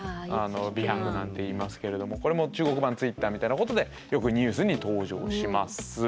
微博なんて言いますけれどもこれも中国版Ｔｗｉｔｔｅｒみたいなことでよくニュースに登場します。